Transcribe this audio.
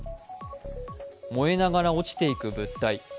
燃えながら落ちていく物体。